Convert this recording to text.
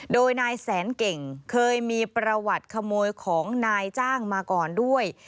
โดยนายแสนเก่งเคยมีประวัติขโมยของนายจ้างมาก่อนด้วย